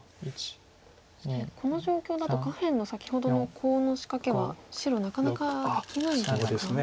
この状況だと下辺の先ほどのコウの仕掛けは白なかなかできないですか？